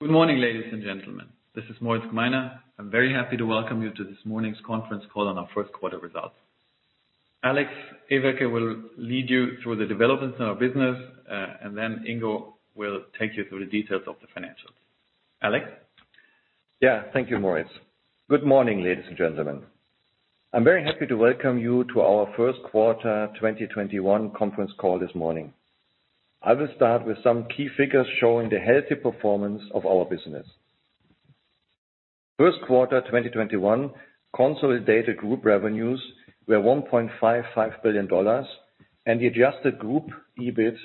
Good morning, ladies and gentlemen. This is Moritz Gmeiner. I am very happy to welcome you to this morning's conference call on our first quarter results. Alex Everke will lead you through the developments in our business, and then Ingo will take you through the details of the financials. Alex? Yeah. Thank you, Moritz. Good morning, ladies and gentlemen. I'm very happy to welcome you to our first quarter 2021 conference call this morning. I will start with some key figures showing the healthy performance of our business. First quarter 2021 consolidated group revenues were $1.55 billion, and the adjusted group EBIT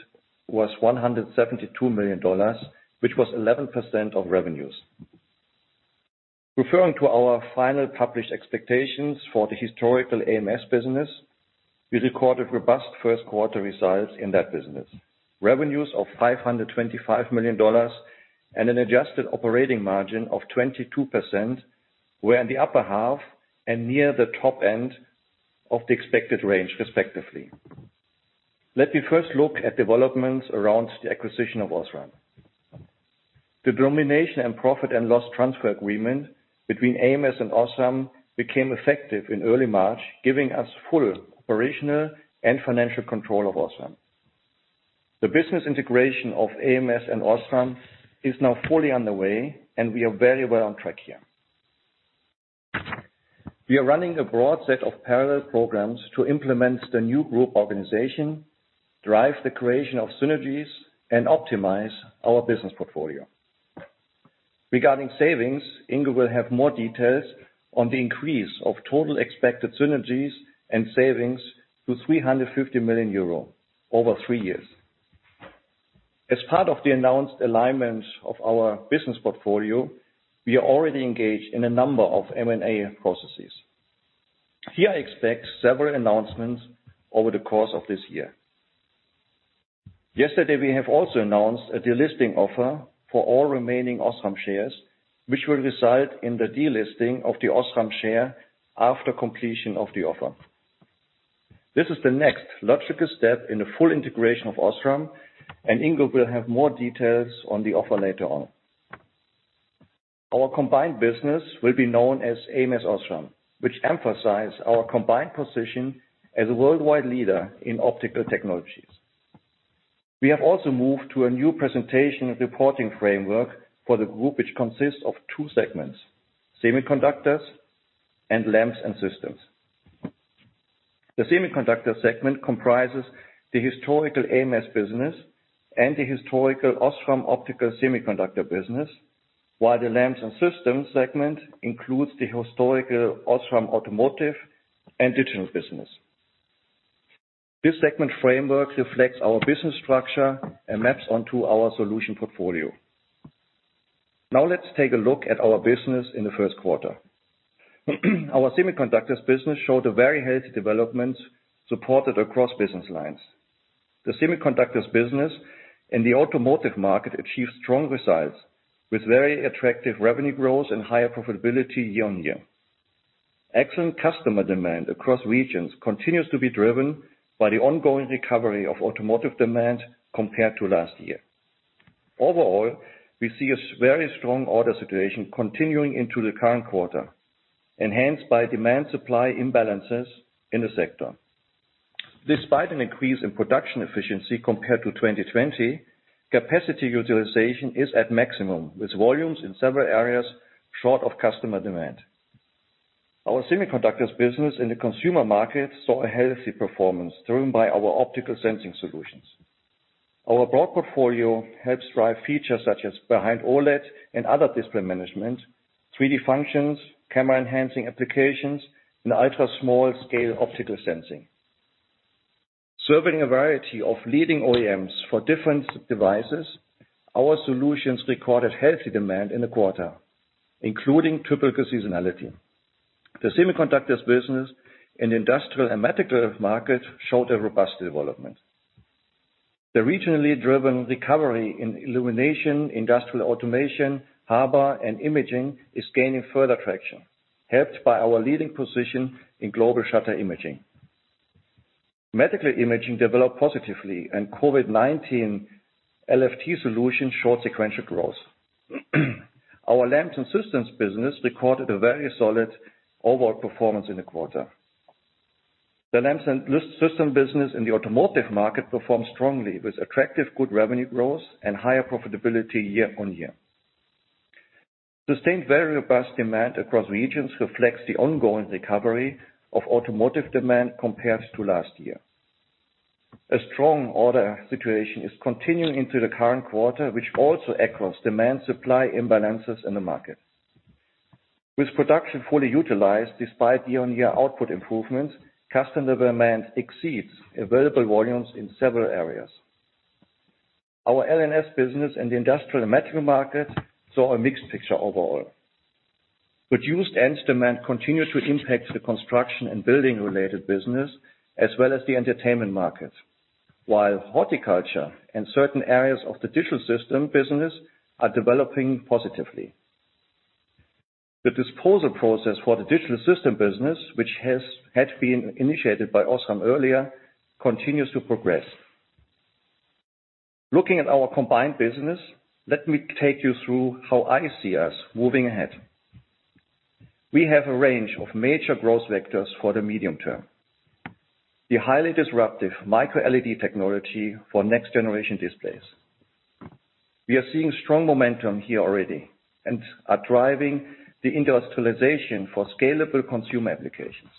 was $172 million, which was 11% of revenues. Referring to our final published expectations for the historical ams business, we recorded robust first quarter results in that business. Revenues of $525 million and an adjusted operating margin of 22% were in the upper half and near the top end of the expected range respectively. Let me first look at developments around the acquisition of OSRAM. The domination and profit and loss transfer agreement between ams and OSRAM became effective in early March, giving us full operational and financial control of OSRAM. The business integration of ams and OSRAM is now fully underway, and we are very well on track here. We are running a broad set of parallel programs to implement the new group organization, drive the creation of synergies, and optimize our business portfolio. Regarding savings, Ingo will have more details on the increase of total expected synergies and savings to 350 million euro over three years. As part of the announced alignment of our business portfolio, we are already engaged in a number of M&A processes. Here, I expect several announcements over the course of this year. Yesterday, we have also announced a delisting offer for all remaining OSRAM shares, which will result in the delisting of the OSRAM share after completion of the offer. This is the next logical step in the full integration of OSRAM, and Ingo will have more details on the offer later on. Our combined business will be known as ams OSRAM, which emphasize our combined position as a worldwide leader in optical technologies. We have also moved to a new presentation and reporting framework for the group, which consists of two segments, semiconductors and Lamps & Systems. The semiconductor segment comprises the historical ams business and the historical OSRAM Opto Semiconductors business, while the Lamps & Systems segment includes the historical OSRAM Automotive and Digital Systems business. This segment framework reflects our business structure and maps onto our solution portfolio. Now let's take a look at our business in the first quarter. Our semiconductors business showed a very healthy development supported across business lines. The semiconductors business in the automotive market achieved strong results with very attractive revenue growth and higher profitability year-on-year. Excellent customer demand across regions continues to be driven by the ongoing recovery of automotive demand compared to last year. Overall, we see a very strong order situation continuing into the current quarter, enhanced by demand supply imbalances in the sector. Despite an increase in production efficiency compared to 2020, capacity utilization is at maximum with volumes in several areas short of customer demand. Our semiconductors business in the consumer market saw a healthy performance driven by our optical sensing solutions. Our broad portfolio helps drive features such as behind OLED and other display management, 3D functions, camera enhancing applications, and ultra-small scale optical sensing. Serving a variety of leading OEMs for different devices, our solutions recorded healthy demand in the quarter, including typical seasonality. The semiconductors business in industrial and medical markets showed a robust development. The regionally driven recovery in illumination, industrial automation, harbor, and imaging is gaining further traction, helped by our leading position in global shutter imaging. medical imaging developed positively and COVID-19 LFT solutions showed sequential growth. Our Lamps & Systems business recorded a very solid overall performance in the quarter. The Lamps & Systems business in the automotive market performed strongly with attractive good revenue growth and higher profitability year-on-year. Sustained very robust demand across regions reflects the ongoing recovery of automotive demand compared to last year. A strong order situation is continuing into the current quarter, which also echoes demand-supply imbalances in the market. With production fully utilized despite year-on-year output improvements, customer demand exceeds available volumes in several areas. Our L&S business in the industrial and medical market saw a mixed picture overall. Reduced ends demand continued to impact the construction and building-related business as well as the entertainment market. While horticulture and certain areas of the Digital Systems business are developing positively. The disposal process for the Digital Systems business, which had been initiated by OSRAM earlier, continues to progress. Looking at our combined business, let me take you through how I see us moving ahead. We have a range of major growth vectors for the medium term. The highly disruptive Micro-LED technology for next generation displays. We are seeing strong momentum here already and are driving the industrialization for scalable consumer applications.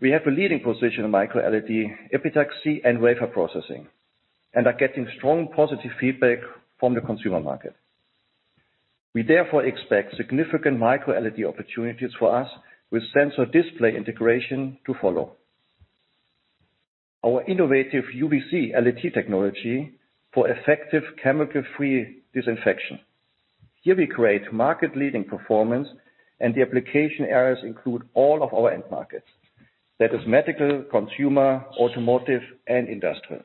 We have a leading position in Micro-LED epitaxy and wafer processing and are getting strong positive feedback from the consumer market. We therefore expect significant Micro-LED opportunities for us with sensor display integration to follow. Our innovative UVC LED technology for effective chemical-free disinfection. Here we create market leading performance, and the application areas include all of our end markets. That is medical, consumer, automotive, and industrial.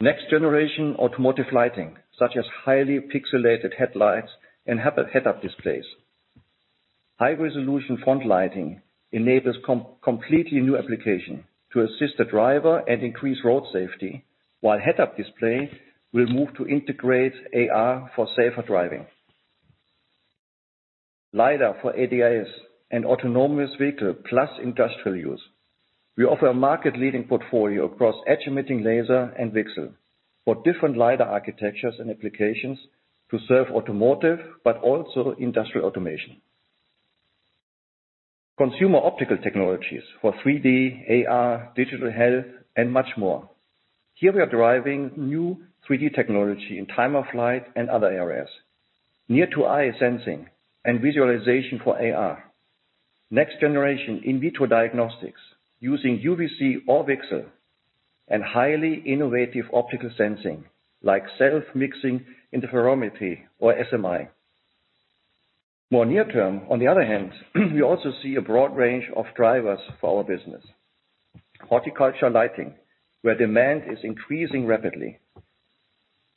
Next generation automotive lighting, such as highly pixelated headlights and head-up displays. High-resolution front lighting enables completely new application to assist the driver and increase road safety while head-up display will move to integrate AR for safer driving. LiDAR for ADAS and autonomous vehicle plus industrial use. We offer a market leading portfolio across edge emitting laser and VCSEL for different LiDAR architectures and applications to serve automotive, but also industrial automation. Consumer optical technologies for 3D, AR, digital health, and much more. Here we are driving new 3D technology in time-of-flight and other areas. Near to eye sensing and visualization for AR. Next generation in vitro diagnostics using UVC or VCSEL and highly innovative optical sensing like self-mixing interferometry or SMI. More near term, on the other hand, we also see a broad range of drivers for our business. Horticulture lighting, where demand is increasing rapidly.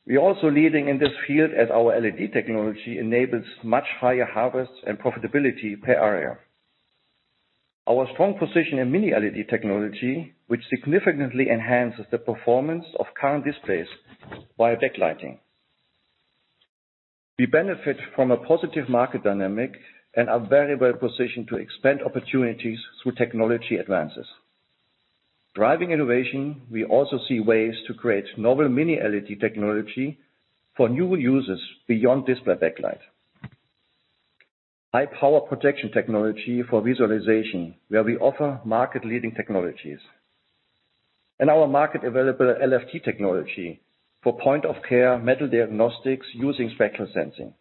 We are also leading in this field as our LED technology enables much higher harvest and profitability per area. Our strong position in Mini LED technology, which significantly enhances the performance of current displays via backlighting. We benefit from a positive market dynamic and are very well positioned to expand opportunities through technology advances. Driving innovation, we also see ways to create novel Mini LED technology for new uses beyond display backlight. High power projection technology for visualization, where we offer market leading technologies. Our market available LFT technology for point of care medical diagnostics using spectral sensing.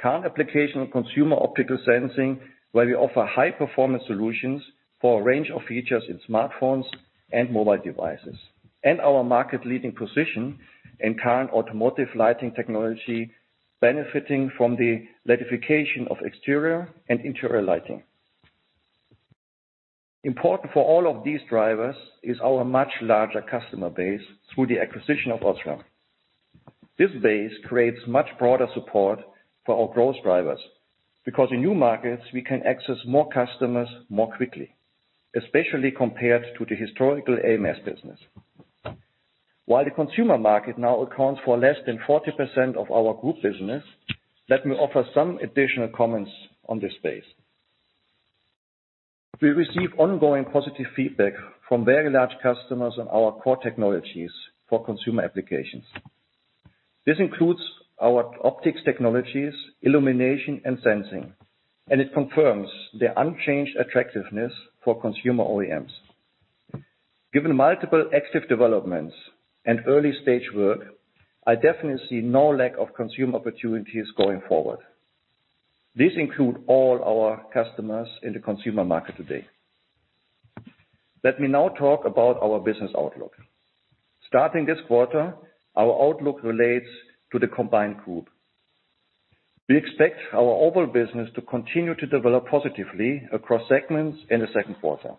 Current application consumer optical sensing, where we offer high performance solutions for a range of features in smartphones and mobile devices. Our market leading position in current automotive lighting technology, benefiting from the LEDification of exterior and interior lighting. Important for all of these drivers is our much larger customer base through the acquisition of OSRAM. This base creates much broader support for our growth drivers because in new markets, we can access more customers more quickly, especially compared to the historical ams business. While the consumer market now accounts for less than 40% of our group business, let me offer some additional comments on this space. We receive ongoing positive feedback from very large customers on our core technologies for consumer applications. This includes our optics technologies, illumination and sensing, and it confirms the unchanged attractiveness for consumer OEMs. Given multiple active developments and early stage work, I definitely see no lack of consumer opportunities going forward. These include all our customers in the consumer market today. Let me now talk about our business outlook. Starting this quarter, our outlook relates to the combined group. We expect our overall business to continue to develop positively across segments in the second quarter.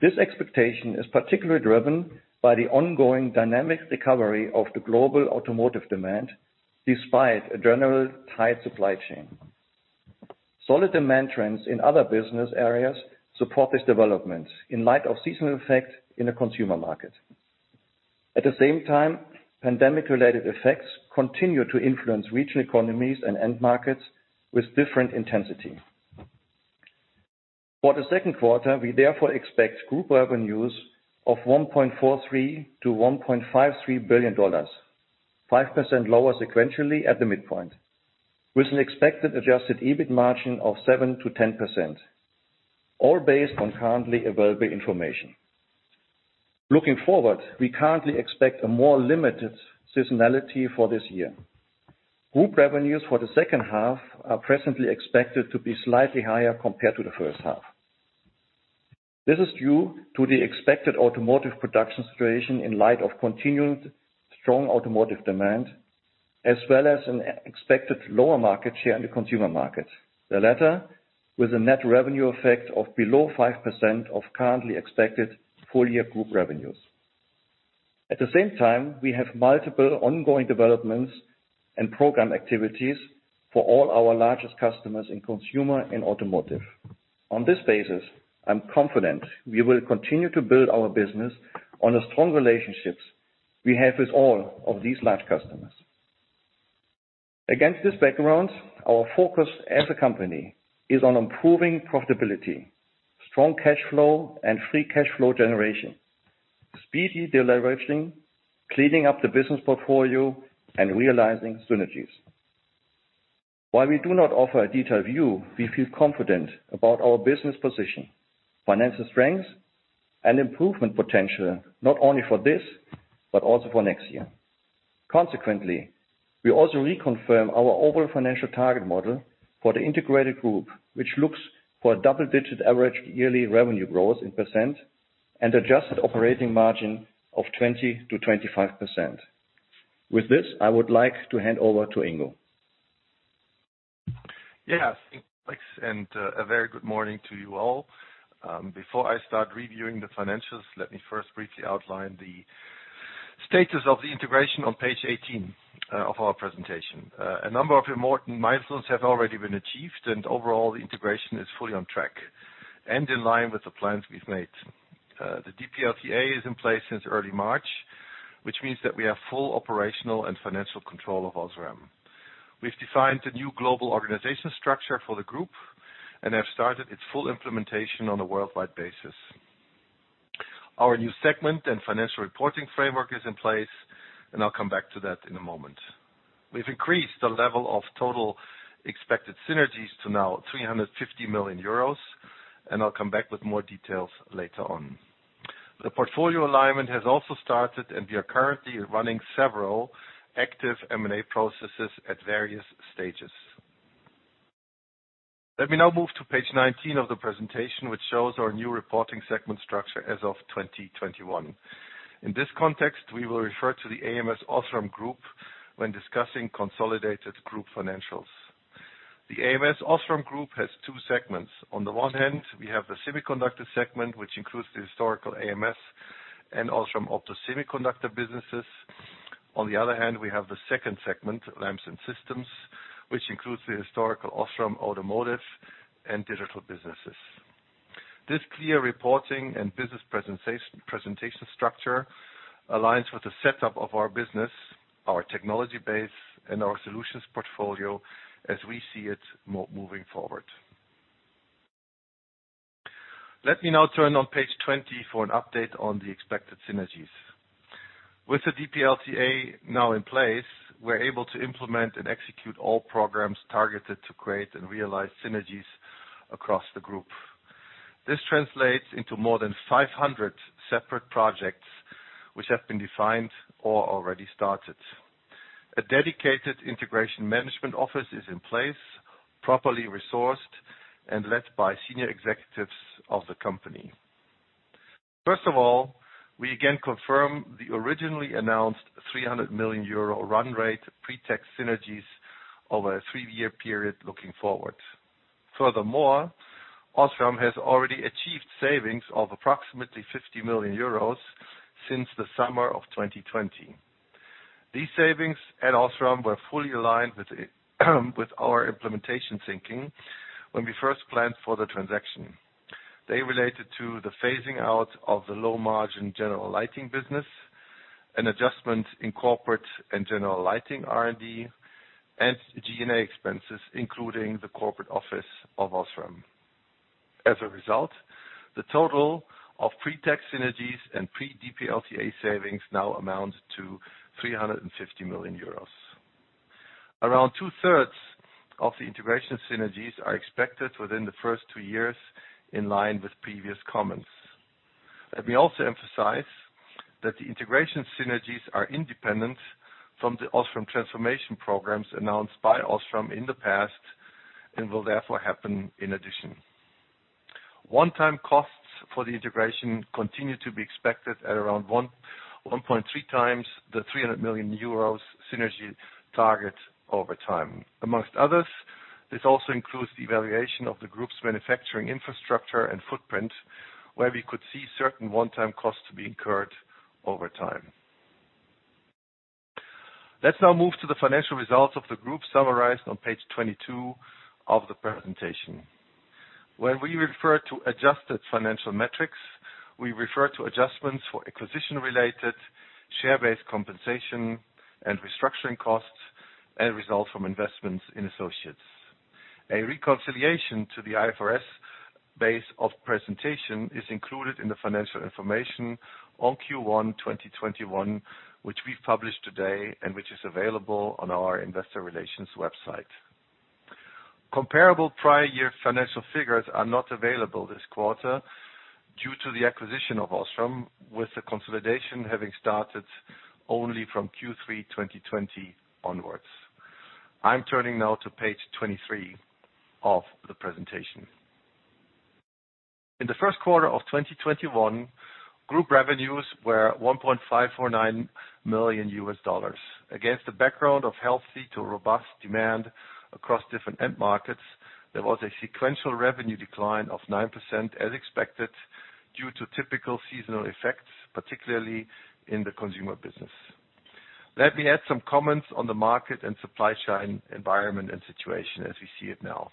This expectation is particularly driven by the ongoing dynamic recovery of the global automotive demand, despite a general tight supply chain. Solid demand trends in other business areas support this development in light of seasonal effects in the consumer market. At the same time, pandemic-related effects continue to influence regional economies and end markets with different intensity. For the second quarter, we therefore expect group revenues of EUR 1.43 billion-EUR 1.53 billion, 5% lower sequentially at the midpoint, with an expected adjusted EBIT margin of 7%-10%, all based on currently available information. Looking forward, we currently expect a more limited seasonality for this year. Group revenues for the second half are presently expected to be slightly higher compared to the first half. This is due to the expected automotive production situation in light of continued strong automotive demand, as well as an expected lower market share in the consumer market. The latter, with a net revenue effect of below 5% of currently expected full year group revenues. At the same time, we have multiple ongoing developments and program activities for all our largest customers in consumer and automotive. On this basis, I'm confident we will continue to build our business on the strong relationships we have with all of these large customers. Against this background, our focus as a company is on improving profitability, strong cash flow and free cash flow generation, speedy deleveraging, cleaning up the business portfolio and realizing synergies. While we do not offer a detailed view, we feel confident about our business position, financial strength and improvement potential, not only for this, but also for next year. Consequently, we also reconfirm our overall financial target model for the integrated group, which looks for a double-digit average yearly revenue growth in % and adjusted operating margin of 20%-25%. With this, I would like to hand over to Ingo. Yes, thanks. A very good morning to you all. Before I start reviewing the financials, let me first briefly outline the status of the integration on page 18 of our presentation. A number of important milestones have already been achieved, and overall the integration is fully on track and in line with the plans we've made. The DPLTA is in place since early March, which means that we have full operational and financial control of OSRAM. We've defined the new global organization structure for the group and have started its full implementation on a worldwide basis. Our new segment and financial reporting framework is in place, and I'll come back to that in a moment. We've increased the level of total expected synergies to now 350 million euros, and I'll come back with more details later on. The portfolio alignment has also started. We are currently running several active M&A processes at various stages. Let me now move to page 19 of the presentation, which shows our new reporting segment structure as of 2021. In this context, we will refer to the ams OSRAM Group when discussing consolidated group financials. The ams OSRAM Group has two segments. On the one hand, we have the Semiconductor segment, which includes the historical ams and OSRAM Opto Semiconductors businesses. On the other hand, we have the second segment, Lamps & Systems, which includes the historical OSRAM Automotive and Digital Systems businesses. This clear reporting and business presentation structure aligns with the setup of our business, our technology base and our solutions portfolio as we see it moving forward. Let me now turn on page 20 for an update on the expected synergies. With the DPLTA now in place, we're able to implement and execute all programs targeted to create and realize synergies across the group. This translates into more than 500 separate projects which have been defined or already started. A dedicated integration management office is in place, properly resourced, and led by senior executives of the company. First of all, we again confirm the originally announced 300 million euro run rate pre-tax synergies over a three-year period looking forward. Furthermore, OSRAM has already achieved savings of approximately 50 million euros since the summer of 2020. These savings at OSRAM were fully aligned with our implementation thinking when we first planned for the transaction. They related to the phasing out of the low-margin general lighting business, an adjustment in corporate and general lighting R&D, and G&A expenses, including the corporate office of OSRAM. As a result, the total of pre-tax synergies and pre-DPLTA savings now amount to €350 million. Around two-thirds of the integration synergies are expected within the first two years, in line with previous comments. Let me also emphasize that the integration synergies are independent from the OSRAM transformation programs announced by OSRAM in the past and will therefore happen in addition. One-time costs for the integration continue to be expected at around 1.3 times the €300 million synergy target over time. Among others, this also includes the evaluation of the group's manufacturing infrastructure and footprint, where we could see certain one-time costs to be incurred over time. Let's now move to the financial results of the group summarized on page 22 of the presentation. When we refer to adjusted financial metrics, we refer to adjustments for acquisition-related share-based compensation and restructuring costs, and results from investments in associates. A reconciliation to the IFRS base of presentation is included in the financial information on Q1 2021, which we've published today and which is available on our investor relations website. Comparable prior year financial figures are not available this quarter due to the acquisition of OSRAM, with the consolidation having started only from Q3 2020 onwards. I'm turning now to page 23 of the presentation. In the first quarter of 2021, group revenues were $1,549 million. Against the background of healthy to robust demand across different end markets. There was a sequential revenue decline of 9%, as expected, due to typical seasonal effects, particularly in the consumer business. Let me add some comments on the market and supply chain environment and situation as we see it now.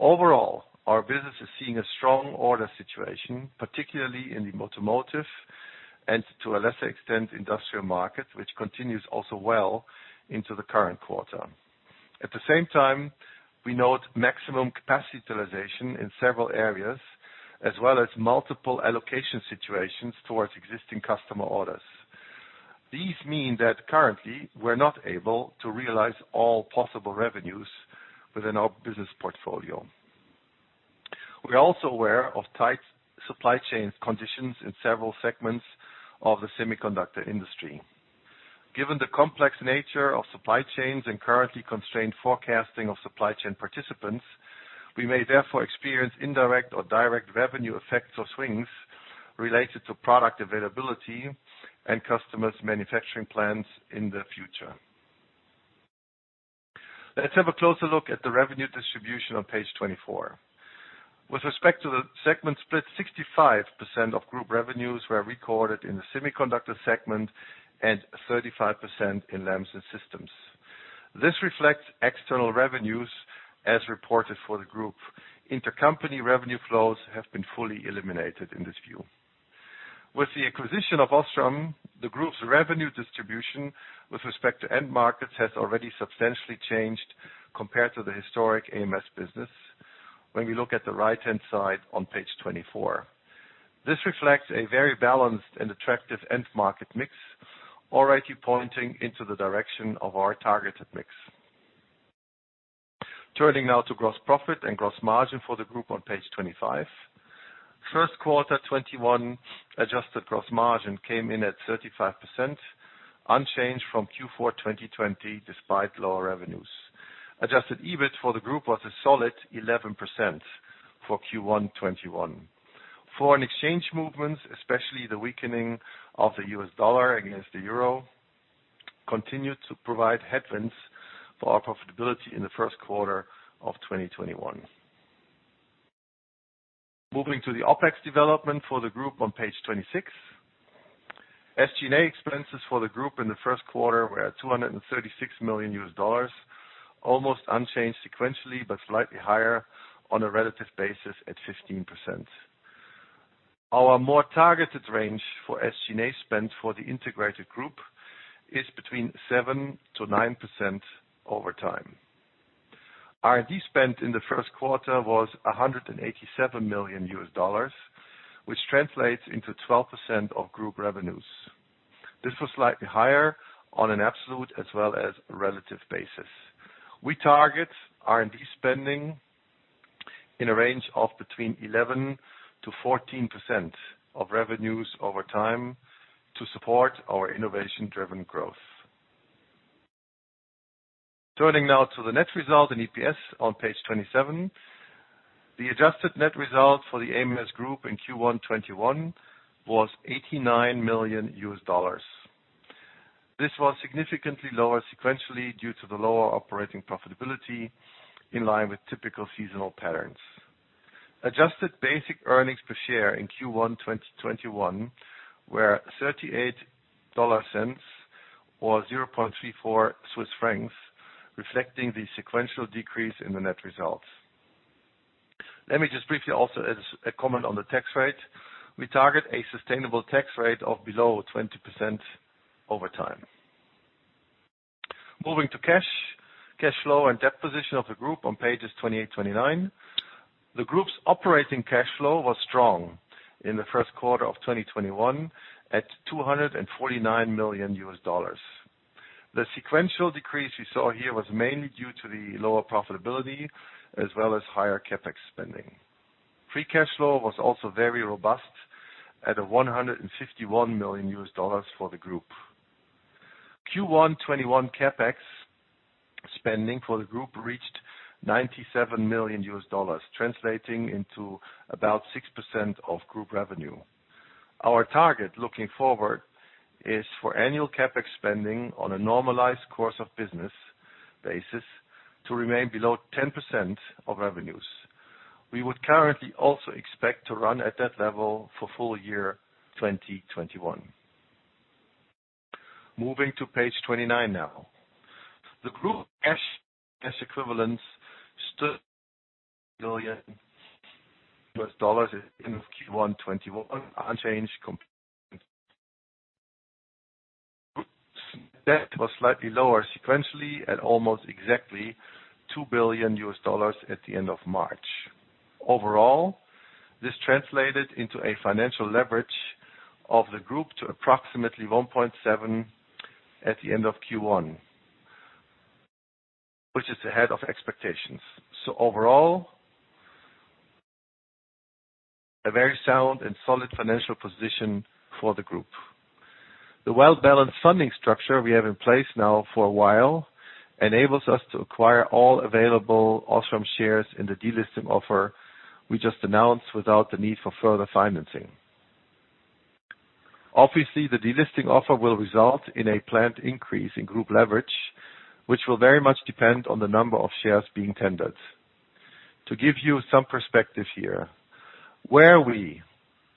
Overall, our business is seeing a strong order situation, particularly in the automotive, and to a lesser extent, industrial market, which continues also well into the current quarter. At the same time, we note maximum capacity utilization in several areas, as well as multiple allocation situations towards existing customer orders. These mean that currently we are not able to realize all possible revenues within our business portfolio. We are also aware of tight supply chain conditions in several segments of the semiconductor industry. Given the complex nature of supply chains and currently constrained forecasting of supply chain participants, we may therefore experience indirect or direct revenue effects or swings related to product availability and customers' manufacturing plans in the future. Let's have a closer look at the revenue distribution on page 24. With respect to the segment split, 65% of group revenues were recorded in the semiconductor segment and 35% in Lamps & Systems. This reflects external revenues as reported for the group. Intercompany revenue flows have been fully eliminated in this view. With the acquisition of OSRAM, the group's revenue distribution with respect to end markets has already substantially changed compared to the historic ams business, when we look at the right-hand side on page 24. This reflects a very balanced and attractive end market mix, already pointing into the direction of our targeted mix. Turning now to gross profit and gross margin for the group on page 25. First quarter 2021 adjusted gross margin came in at 35%, unchanged from Q4 2020, despite lower revenues. Adjusted EBIT for the group was a solid 11% for Q1 2021. Foreign exchange movements, especially the weakening of the US dollar against the euro, continued to provide headwinds for our profitability in the first quarter of 2021. Moving to the OPEX development for the group on page 26. SG&A expenses for the group in the first quarter were at $236 million, almost unchanged sequentially, but slightly higher on a relative basis at 15%. Our more targeted range for SG&A spend for the integrated group is between 7%-9% over time. R&D spend in the first quarter was $187 million, which translates into 12% of group revenues. This was slightly higher on an absolute as well as relative basis. We target R&D spending in a range of between 11%-14% of revenues over time to support our innovation-driven growth. Turning now to the net result in EPS on page 27. The adjusted net result for the ams OSRAM in Q1 2021 was EUR 89 million. This was significantly lower sequentially due to the lower operating profitability, in line with typical seasonal patterns. Adjusted basic earnings per share in Q1 2021 were EUR 0.38, or 0.34, reflecting the sequential decrease in the net results. Let me just briefly also add a comment on the tax rate. We target a sustainable tax rate of below 20% over time. Moving to cash flow and debt position of the group on pages 28, 29. The group's operating cash flow was strong in the first quarter of 2021 at EUR 249 million. The sequential decrease we saw here was mainly due to the lower profitability as well as higher CapEx spending. Free cash flow was also very robust at EUR 151 million for the group. Q1 2021 CapEx spending for the group reached $97 million, translating into about 6% of group revenue. Our target looking forward is for annual CapEx spending on a normalized course of business basis to remain below 10% of revenues. We would currently also expect to run at that level for full year 2021. Moving to page 29 now. The group cash equivalents stood billion US dollars in Q1 2021, unchanged compared. Debt was slightly lower sequentially at almost exactly $2 billion at the end of March. Overall, this translated into a financial leverage of the group to approximately 1.7 at the end of Q1, which is ahead of expectations. Overall, a very sound and solid financial position for the group. The well-balanced funding structure we have in place now for a while enables us to acquire all available OSRAM shares in the delisting offer we just announced without the need for further financing. Obviously, the delisting offer will result in a planned increase in group leverage, which will very much depend on the number of shares being tendered. To give you some perspective here, were we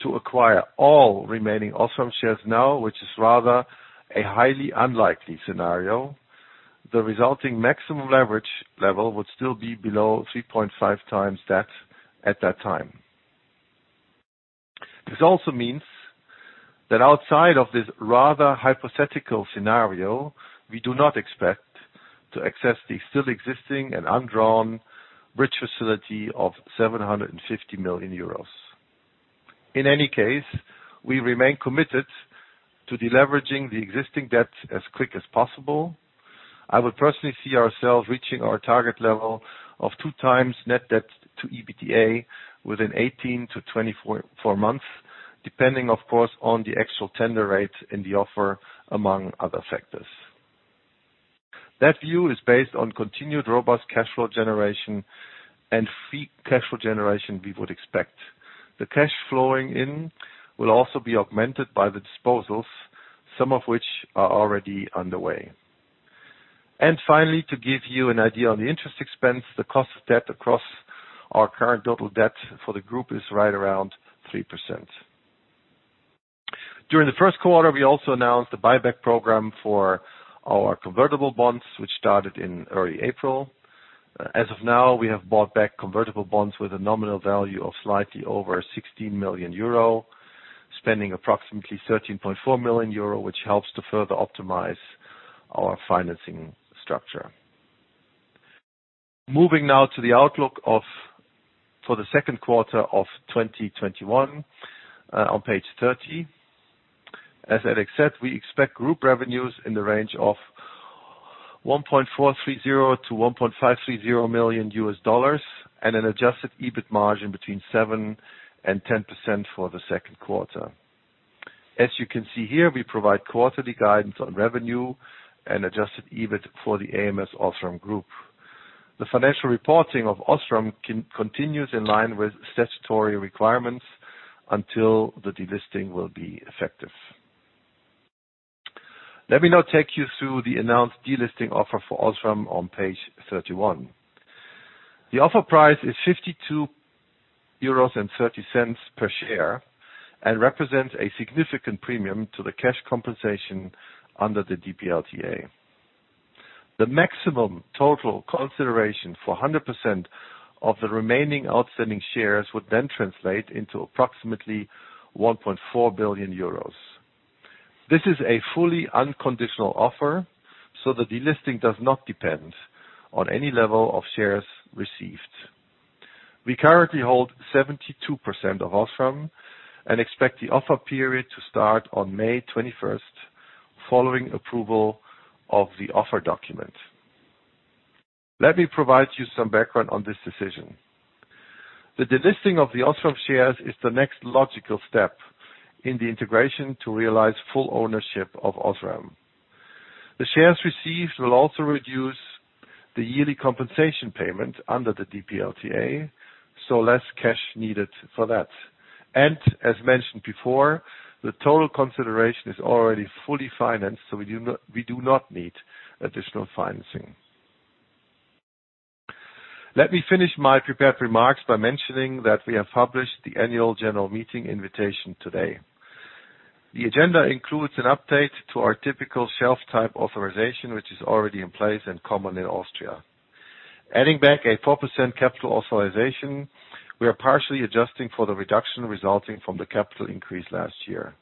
to acquire all remaining OSRAM shares now, which is rather a highly unlikely scenario, the resulting maximum leverage level would still be below 3.5 times debt at that time. This also means that outside of this rather hypothetical scenario, we do not expect to access the still existing and undrawn bridge facility of 750 million euros. In any case, we remain committed to deleveraging the existing debt as quick as possible. I would personally see ourselves reaching our target level of two times net debt to EBITDA within 18-24 months, depending, of course, on the actual tender rates in the offer, among other factors. That view is based on continued robust cash flow generation and free cash flow generation we would expect. The cash flowing in will also be augmented by the disposals, some of which are already underway. Finally, to give you an idea on the interest expense, the cost of debt across our current total debt for the group is right around 3%. During the first quarter, we also announced the buyback program for our convertible bonds, which started in early April. As of now, we have bought back convertible bonds with a nominal value of slightly over 16 million euro, spending approximately 13.4 million euro, which helps to further optimize our financing structure. Moving now to the outlook for the second quarter of 2021, on page 30. As Alex said, we expect group revenues in the range of $1.430 million-$1.530 million, and an adjusted EBIT margin between 7% and 10% for the second quarter. As you can see here, we provide quarterly guidance on revenue and adjusted EBIT for the ams OSRAM group. The financial reporting of OSRAM continues in line with statutory requirements until the delisting will be effective. Let me now take you through the announced delisting offer for OSRAM on page 31. The offer price is €52.30 per share and represents a significant premium to the cash compensation under the DPLTA. The maximum total consideration for 100% of the remaining outstanding shares would then translate into approximately €1.4 billion. This is a fully unconditional offer, the delisting does not depend on any level of shares received. We currently hold 72% of OSRAM and expect the offer period to start on May 21st, following approval of the offer document. Let me provide you some background on this decision. The delisting of the OSRAM shares is the next logical step in the integration to realize full ownership of OSRAM. The shares received will also reduce the yearly compensation payment under the DPLTA, so less cash needed for that. As mentioned before, the total consideration is already fully financed, so we do not need additional financing. Let me finish my prepared remarks by mentioning that we have published the annual general meeting invitation today. The agenda includes an update to our typical shelf-type authorization, which is already in place and common in Austria. Adding back a 4% capital authorization, we are partially adjusting for the reduction resulting from the capital increase last year.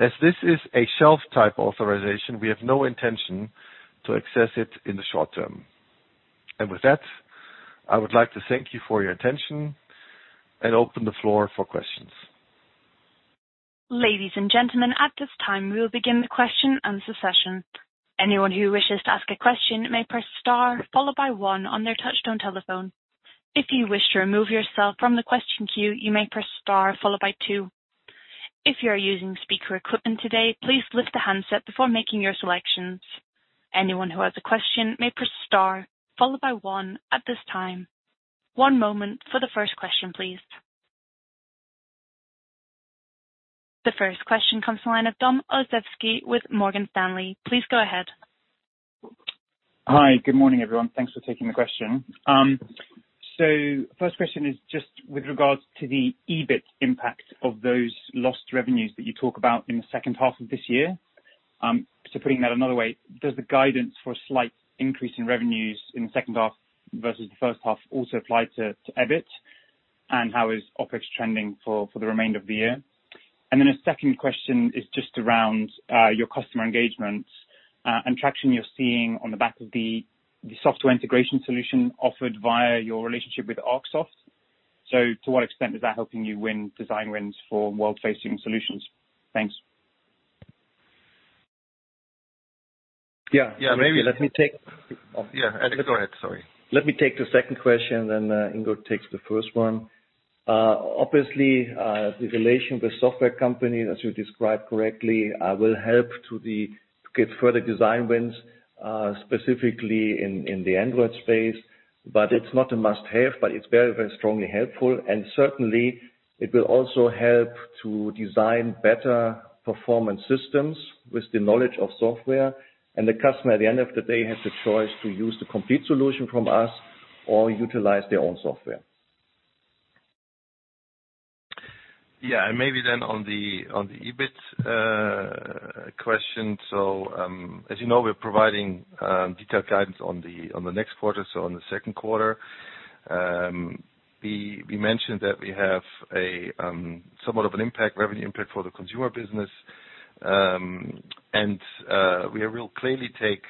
As this is a shelf-type authorization, we have no intention to access it in the short term. With that, I would like to thank you for your attention and open the floor for questions. Ladies and gentlemen at this time we would begin the question and answer section, anyone who wishes to ask a question may press star followed by one on your touch tone telephone, if you wish to remove yourself from the question queue you may press star followed by two, if you are using speaker equipment today please lift the handset before making your selection. Anyone who has a question may press star followed by one at this time. One moment for the first question, please. The first question comes to the line of Dominik Olszewski with Morgan Stanley. Please go ahead. Hi. Good morning, everyone. Thanks for taking the question. First question is just with regards to the EBIT impact of those lost revenues that you talk about in the second half of this year. Putting that another way, does the guidance for a slight increase in revenues in the second half versus the first half also apply to EBIT? How is OpEx trending for the remainder of the year? Then a second question is just around your customer engagements and traction you're seeing on the back of the software integration solution offered via your relationship with ArcSoft. To what extent is that helping you win design wins for world-facing solutions? Thanks. Yeah. Alexander Everke, go ahead. Sorry. Let me take the second question. Ingo takes the first one. Obviously, the relation with software companies, as you described correctly, will help to get further design wins. Specifically in the Android space, it's not a must-have, but it's very strongly helpful. Certainly, it will also help to design better performance systems with the knowledge of software. The customer, at the end of the day, has the choice to use the complete solution from us or utilize their own software. Yeah. Maybe on the EBIT question. As you know, we're providing detailed guidance on the next quarter, on the second quarter. We mentioned that we have somewhat of an impact, revenue impact for the consumer business. We will clearly take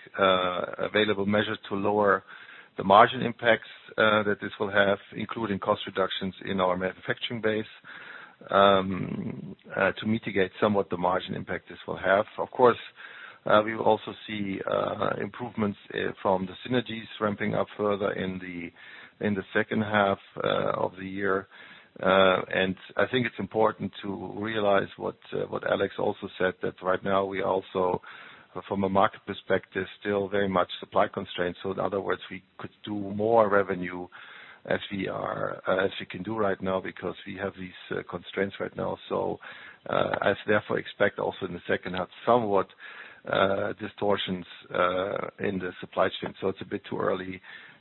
available measures to lower the margin impacts that this will have, including cost reductions in our manufacturing base, to mitigate somewhat the margin impact this will have. We will also see improvements from the synergies ramping up further in the second half of the year. I think it's important to realize what Alex also said, that right now we also, from a market perspective, still very much supply constrained. In other words, we could do more revenue as we can do right now because we have these constraints right now. As therefore expect also in the second half, somewhat distortions in the supply chain. It's a bit too early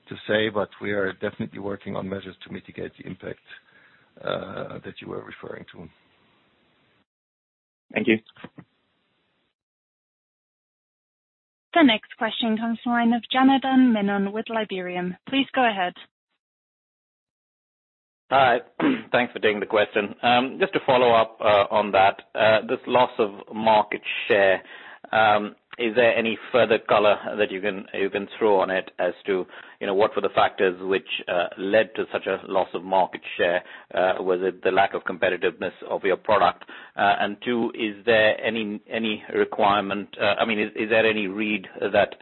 to say, but we are definitely working on measures to mitigate the impact that you were referring to. Thank you. The next question comes the line of Janardan Menon with Liberum. Please go ahead. Hi. Thanks for taking the question. Just to follow up on that. This loss of market share, is there any further color that you can throw on it as to what were the factors which led to such a loss of market share? Was it the lack of competitiveness of your product? Two, is there any requirement, I mean, is there any read that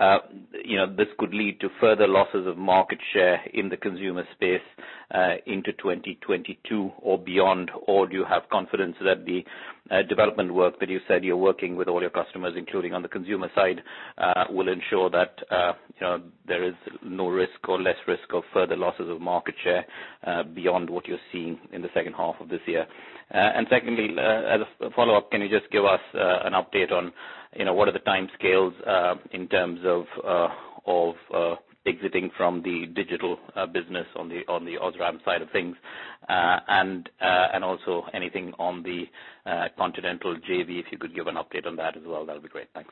this could lead to further losses of market share in the consumer space into 2022 or beyond? Do you have confidence that the development work that you said you're working with all your customers, including on the consumer side, will ensure that there is no risk or less risk of further losses of market share beyond what you're seeing in the second half of this year? Secondly, as a follow-up, can you just give us an update on what are the timescales in terms of exiting from the digital business on the OSRAM side of things? Also anything on the Continental JV, if you could give an update on that as well, that'd be great. Thanks.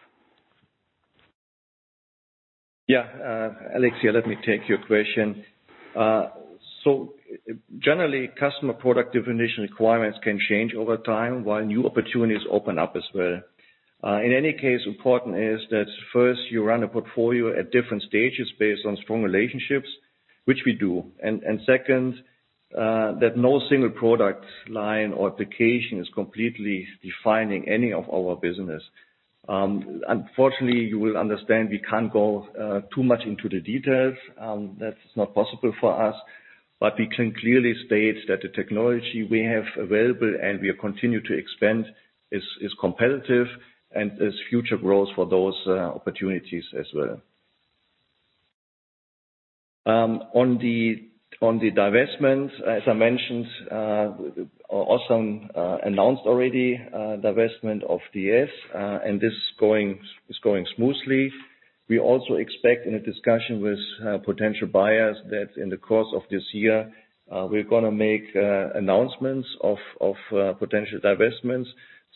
Alex, let me take your question. Generally, customer product definition requirements can change over time, while new opportunities open up as well. In any case, important is that first, you run a portfolio at different stages based on strong relationships, which we do. Second, that no single product line or application is completely defining any of our business. Unfortunately, you will understand we can't go too much into the details. That's not possible for us. We can clearly state that the technology we have available and we continue to expand is competitive and there's future growth for those opportunities as well. On the divestment, as I mentioned, OSRAM announced already divestment of DS, and this is going smoothly. We also expect in a discussion with potential buyers that in the course of this year, we're going to make announcements of potential divestments.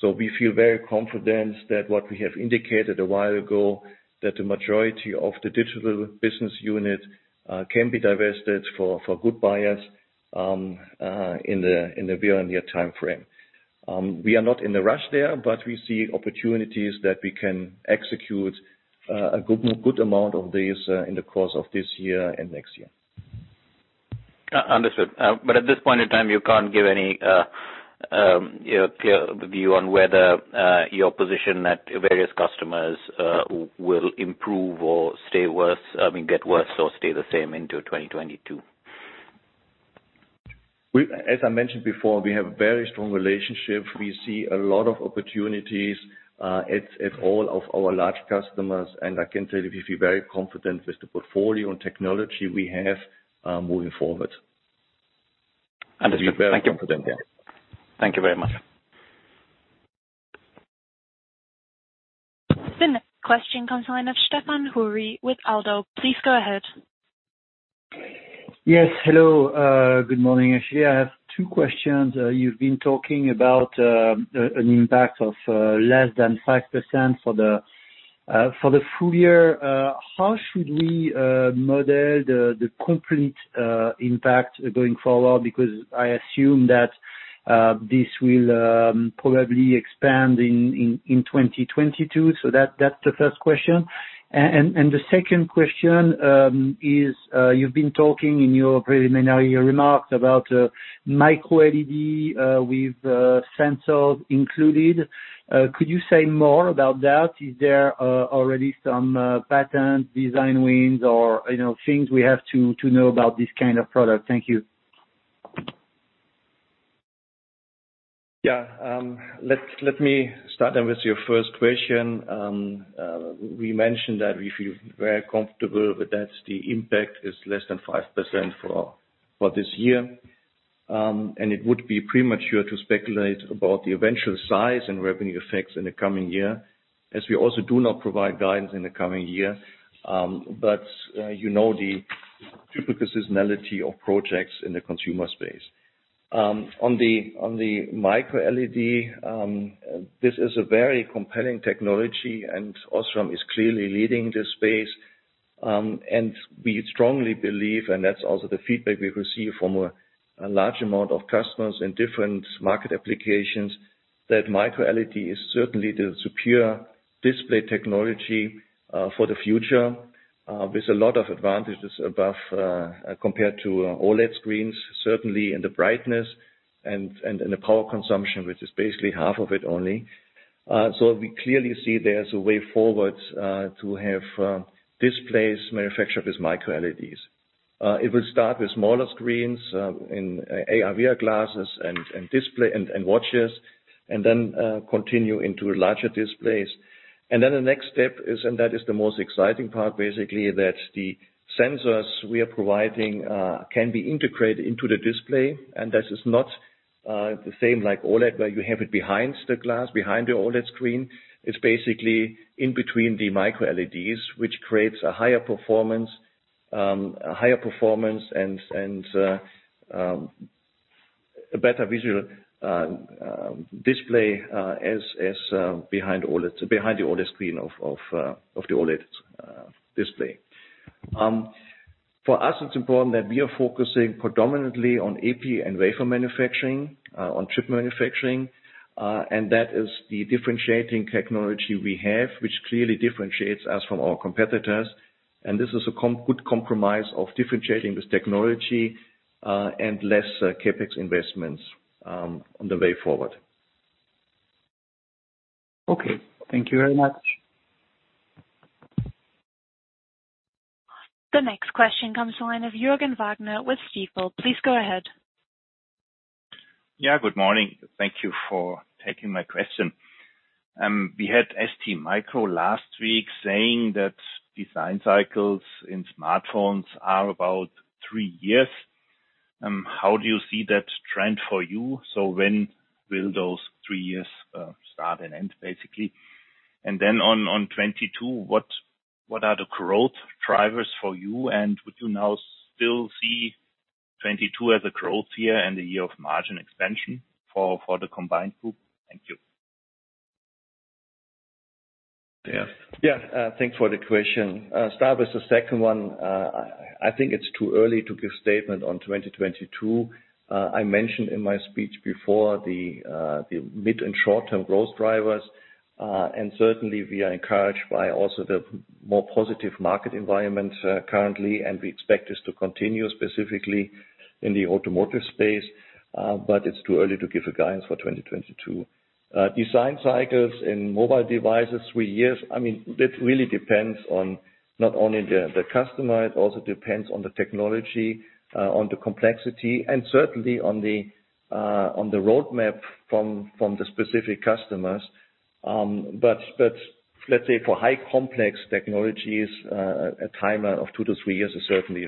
We feel very confident that what we have indicated a while ago, that the majority of the digital business unit can be divested for good buyers in the very near timeframe. We are not in a rush there, but we see opportunities that we can execute a good amount of these in the course of this year and next year. Understood. At this point in time, you can't give any clear view on whether your position at various customers will improve or get worse or stay the same into 2022? As I mentioned before, we have a very strong relationship. We see a lot of opportunities at all of our large customers, and I can tell you we feel very confident with the portfolio and technology we have moving forward. Understood. Thank you. We're very confident there. Thank you very much. The next question comes the line of Stéphane Houri with ODDO. Please go ahead. Yes, hello. Good morning. Actually, I have two questions. You've been talking about an impact of less than 5% for the full year. How should we model the complete impact going forward? I assume that this will probably expand in 2022. That's the first question. The second question is, you've been talking in your preliminary remarks about Micro-LED with sensors included. Could you say more about that? Is there already some patent design wins or things we have to know about this kind of product? Thank you. Yeah. Let me start then with your first question. We mentioned that we feel very comfortable with that. The impact is less than 5% for this year. It would be premature to speculate about the eventual size and revenue effects in the coming year, as we also do not provide guidance in the coming year. You know the cyclical seasonality of projects in the consumer space. On the Micro-LED, this is a very compelling technology, and OSRAM is clearly leading this space. We strongly believe, and that's also the feedback we've received from a large amount of customers in different market applications, that Micro-LED is certainly the superior display technology for the future, with a lot of advantages above compared to OLED screens, certainly in the brightness and in the power consumption, which is basically half of it only. We clearly see there's a way forward to have displays manufactured with Micro-LEDs. It will start with smaller screens in AR/VR glasses and watches, and then continue into larger displays. The next step is, and that is the most exciting part, basically, that the sensors we are providing can be integrated into the display. This is not the same like OLED, where you have it behind the glass, behind the OLED screen. It's basically in between the Micro-LEDs, which creates a higher performance and a better visual display as behind the OLED screen of the OLED display. For us, it's important that we are focusing predominantly on epi and wafer manufacturing, on chip manufacturing. That is the differentiating technology we have, which clearly differentiates us from our competitors. This is a good compromise of differentiating this technology, and less CapEx investments on the way forward. Okay. Thank you very much. The next question comes on the line of Jürgen Wagner with Stifel. Please go ahead. Yeah, good morning. Thank you for taking my question. We had STMicroelectronics last week saying that design cycles in smartphones are about three years. How do you see that trend for you? When will those three years start and end, basically? On 2022, what are the growth drivers for you? Would you now still see 2022 as a growth year and a year of margin expansion for the combined group? Thank you. Yeah. Thanks for the question. Start with the second one. I think it's too early to give statement on 2022. I mentioned in my speech before the mid and short-term growth drivers. Certainly we are encouraged by also the more positive market environment currently, and we expect this to continue specifically in the automotive space. It's too early to give a guidance for 2022. Design cycles in mobile devices, three years. That really depends on not only the customer, it also depends on the technology, on the complexity, and certainly on the roadmap from the specific customers. Let's say for high complex technologies, a timer of two to three years is certainly.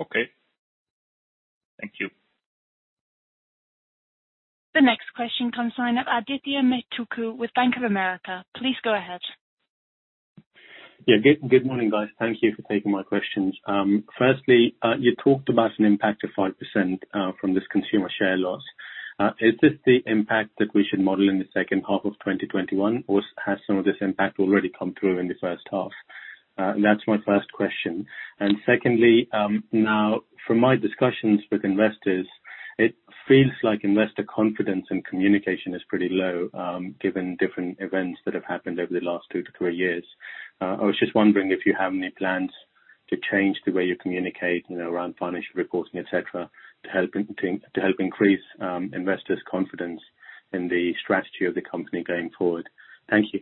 Okay. Thank you. The next question comes line of Adithya Metuku with Bank of America. Please go ahead. Yeah. Good morning, guys. Thank you for taking my questions. Firstly, you talked about an impact of 5% from this consumer share loss. Is this the impact that we should model in the second half of 2021, or has some of this impact already come through in the first half? That's my first question. Secondly, now from my discussions with investors, it feels like investor confidence and communication is pretty low, given different events that have happened over the last two to three years. I was just wondering if you have any plans to change the way you communicate around financial reporting, et cetera, to help increase investors' confidence in the strategy of the company going forward. Thank you.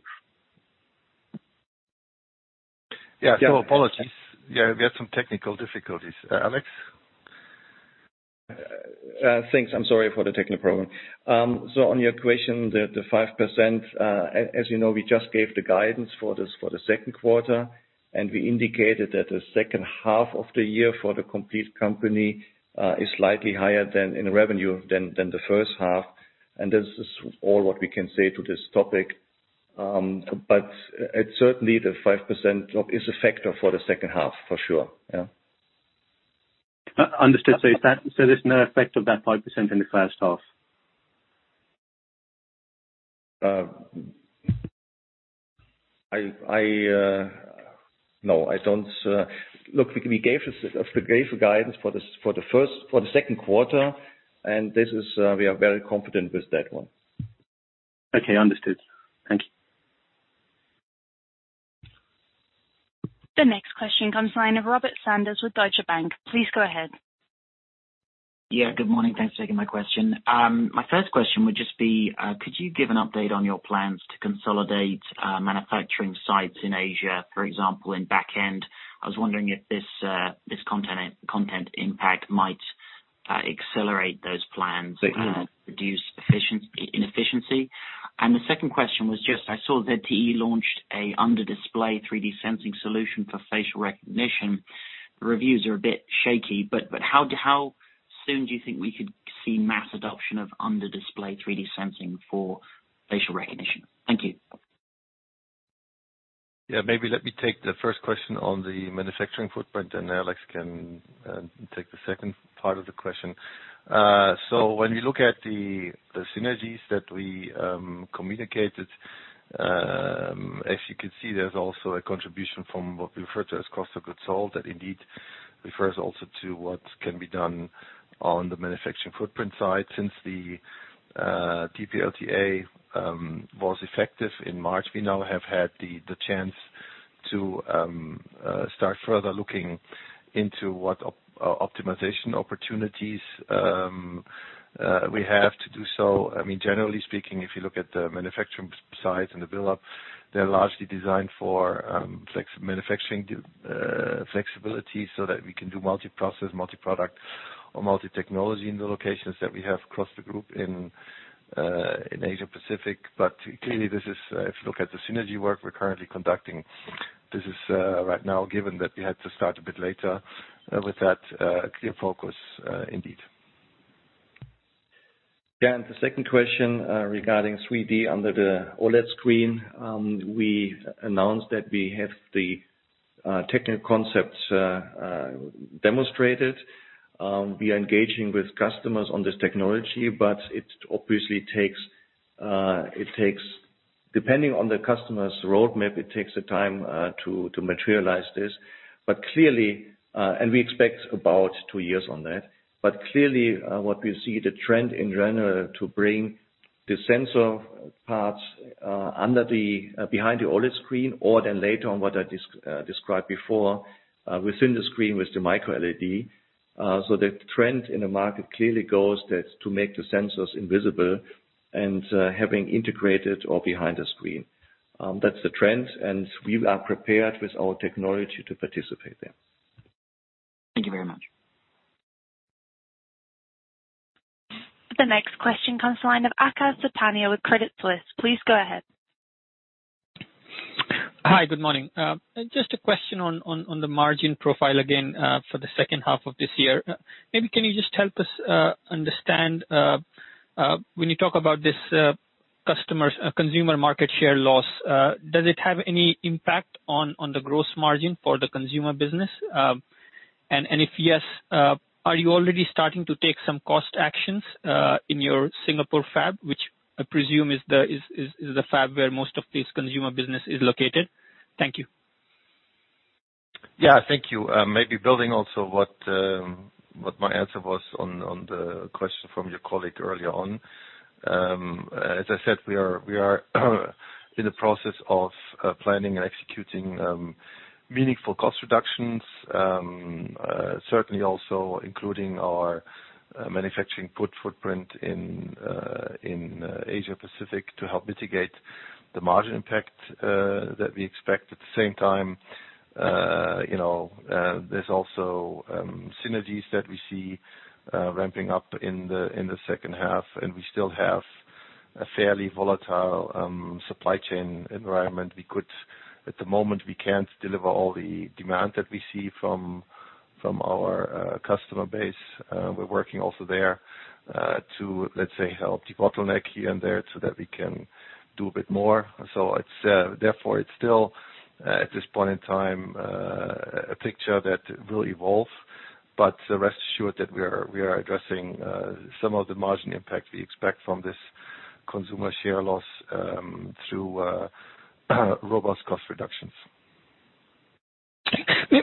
Apologies. We had some technical difficulties. Alex? Thanks. I'm sorry for the technical problem. On your question, the 5%, as you know, we just gave the guidance for the second quarter, and we indicated that the second half of the year for the complete company is slightly higher than in revenue than the first half, and this is all what we can say to this topic. Certainly the 5% is a factor for the second half, for sure. Understood. There's no effect of that 5% in the first half? No. Look, we gave a guidance for the second quarter. We are very confident with that one. Okay, understood. Thank you. The next question comes the line of Robert Sanders with Deutsche Bank. Please go ahead. Yeah, good morning. Thanks for taking my question. My first question would just be, could you give an update on your plans to consolidate manufacturing sites in Asia, for example, in back end? I was wondering if this content impact might accelerate those plans. Exactly To reduce inefficiency. The second question was just, I saw ZTE launched a under display 3D sensing solution for facial recognition. Reviews are a bit shaky, but how soon do you think we could see mass adoption of under display 3D sensing for facial recognition? Thank you. Maybe let me take the first question on the manufacturing footprint, and Alex can take the second part of the question. When we look at the synergies that we communicated, as you can see, there's also a contribution from what we refer to as cost of goods sold. That indeed refers also to what can be done on the manufacturing footprint side. Since the DPLTA was effective in March, we now have had the chance to start further looking into what optimization opportunities we have to do so. Generally speaking, if you look at the manufacturing sites and the build-up, they're largely designed for manufacturing flexibility so that we can do multi-process, multi-product, or multi-technology in the locations that we have across the group in Asia Pacific. Clearly, if you look at the synergy work we're currently conducting, this is right now given that we had to start a bit later with that clear focus indeed. Then, the second question regarding 3D under the OLED screen. We announced that we have the technical concepts demonstrated. We are engaging with customers on this technology, but depending on the customer's roadmap, it takes time to materialize this. We expect about two years on that. Clearly, what we see the trend in general to bring the sensor parts behind the OLED screen or then later on what I described before, within the screen with the Micro-LED. The trend in the market clearly goes that to make the sensors invisible and having integrated or behind the screen. That's the trend, and we are prepared with our technology to participate there. Thank you very much. The next question comes to line of Achal Sultania with Credit Suisse. Please go ahead. Hi, good morning. Just a question on the margin profile again for the second half of this year. Can you just help us understand when you talk about this consumer market share loss, does it have any impact on the gross margin for the consumer business? If yes, are you already starting to take some cost actions in your Singapore fab, which I presume is the fab where most of this consumer business is located? Thank you. Yeah, thank you. Maybe building also what my answer was on the question from your colleague earlier on. As I said, we are in the process of planning and executing meaningful cost reductions. Certainly, also including our manufacturing footprint in Asia Pacific to help mitigate the margin impact that we expect. At the same time, there's also synergies that we see ramping up in the second half, and we still have a fairly volatile supply chain environment. At the moment, we can't deliver all the demand that we see from our customer base. We're working also there to, let's say, help debottleneck here and there so that we can do a bit more. It's still at this point in time, a picture that will evolve, but rest assured that we are addressing some of the margin impact we expect from this consumer share loss through robust cost reductions.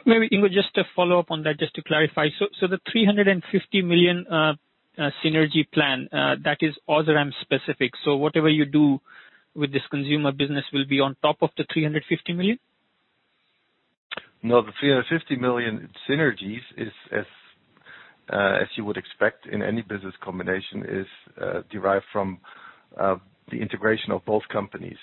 Maybe, Ingo, just to follow up on that, just to clarify. The 350 million synergy plan, that is OSRAM specific. Whatever you do with this consumer business will be on top of the 350 million? The 350 million synergies is as you would expect in any business combination is derived from the integration of both companies.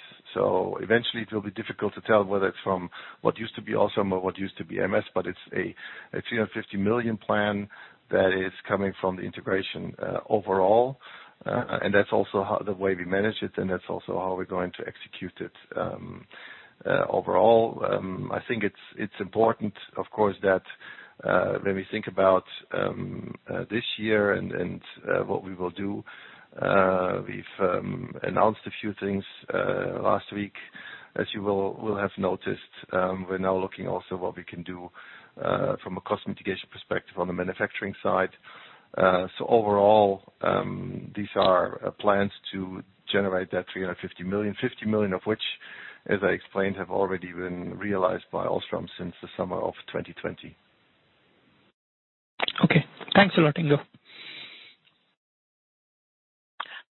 Eventually it will be difficult to tell whether it's from what used to be OSRAM or what used to be ams, but it's a 350 million plan that is coming from the integration overall. That's also the way we manage it, and that's also how we're going to execute it overall. I think it's important, of course, that when we think about this year and what we will do. We've announced a few things last week. As you will have noticed, we're now looking also what we can do from a cost mitigation perspective on the manufacturing side. Overall, these are plans to generate that 350 million, 50 million of which, as I explained, have already been realized by OSRAM since the summer of 2020. Okay. Thanks a lot, Ingo.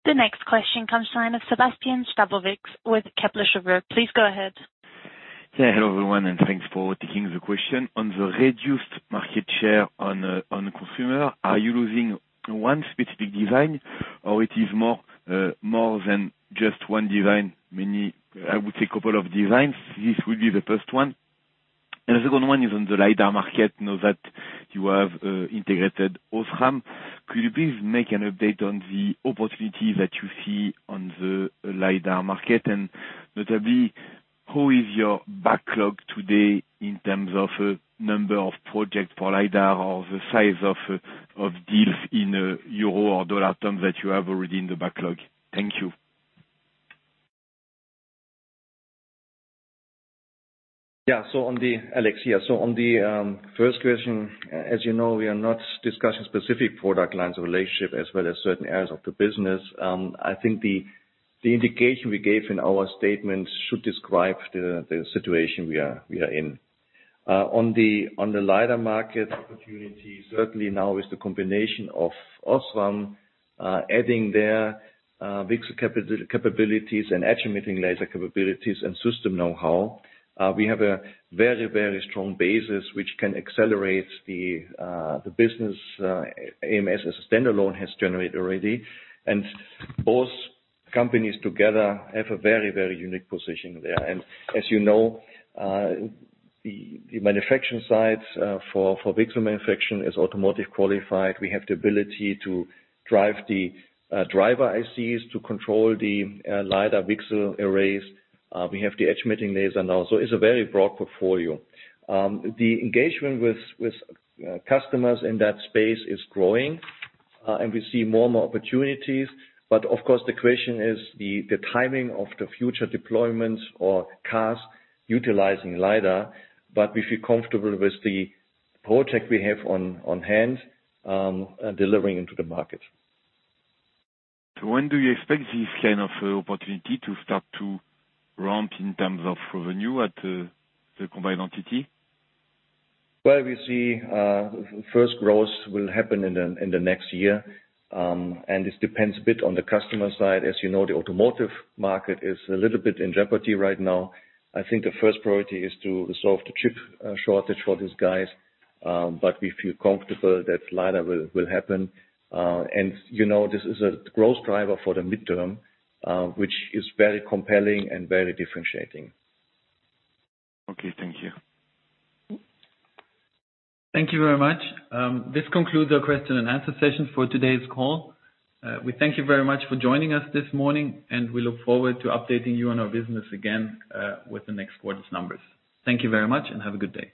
The next question comes to the line of Sébastien Sztabowicz with Kepler Cheuvreux. Please go ahead. Hello, everyone, and thanks for taking the question. On the reduced market share on the consumer, are you losing one specific design, or it is more than just one design? I would say couple of designs. This will be the first one. The second one is on the LiDAR market. Now that you have integrated OSRAM, could you please make an update on the opportunity that you see on the LiDAR market? Notably, how is your backlog today in terms of number of projects for LiDAR or the size of deals in euro or dollar terms that you have already in the backlog? Thank you. Yeah. Alex here. On the first question, as you know, we are not discussing specific product lines relationship as well as certain areas of the business. I think the indication we gave in our statement should describe the situation we are in. On the LiDAR market opportunity, certainly now is the combination of OSRAM adding their VCSEL capabilities and edge-emitting laser capabilities and system know-how. We have a very strong basis which can accelerate the business ams as a standalone has generated already, and both companies together have a very unique position there. As you know, the manufacturing side for VCSEL manufacturing is automotive qualified. We have the ability to drive the driver ICs to control the LiDAR VCSEL arrays. We have the edge-emitting laser now. It's a very broad portfolio. The engagement with customers in that space is growing, and we see more and more opportunities. Of course, the question is the timing of the future deployments or cars utilizing LiDAR. We feel comfortable with the project we have on hand and delivering into the market. When do you expect this kind of opportunity to start to ramp in terms of revenue at the combined entity? Well, we see first growth will happen in the next year. This depends a bit on the customer side. As you know, the automotive market is a little bit in jeopardy right now. I think the first priority is to resolve the chip shortage for these guys. We feel comfortable that LiDAR will happen. This is a growth driver for the midterm, which is very compelling and very differentiating. Okay. Thank you. Thank you very much. This concludes our question and answer session for today's call. We thank you very much for joining us this morning, and we look forward to updating you on our business again with the next quarter's numbers. Thank you very much and have a good day.